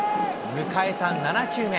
迎えた７球目。